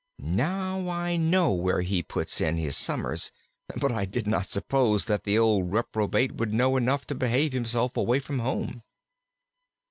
Now I know where he puts in his summers; but I did not suppose that the old reprobate would know enough to behave himself away from home."